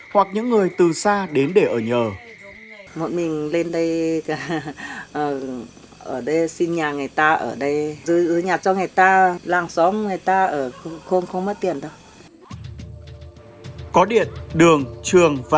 hoặc những người từ xa địa phương